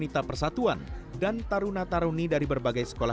terlalu terkejong berdoa